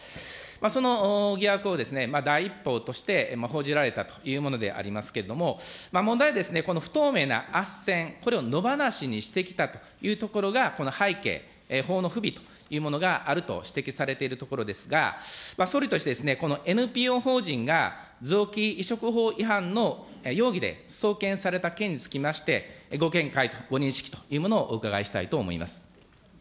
その疑惑を第一報として報じられたというものでありますけれども、問題はこの不透明なあっせん、これを野放しにしてきたというところがこの背景、法の不備というものがあると指摘されているところですが、総理として、このＮＰＯ法人が臓器移植法違反の容疑で送検された件につきまして、ご見解とご認識というものをお伺いしたいと思います。